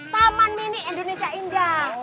taman mini indonesia indah